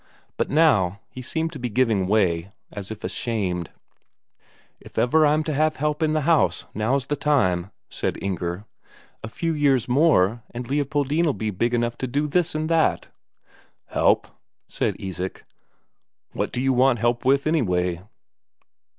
But now, he seemed to be giving way, as if ashamed. "If ever I'm to have help in the house, now's the time," said Inger. "A few years more, and Leopoldine'll be big enough to do this and that." "Help?" said Isak. "What do you want help with, anyway?"